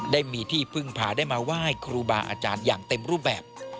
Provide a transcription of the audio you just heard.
ได้มีที่พึ่งพาได้มาไหว้ครูบาอาจารย์อย่างเต็มรูปแบบ